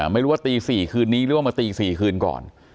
ไม่รู้ว่าตี๔คืนนี้หรือว่ามาตี๔คืนก่อน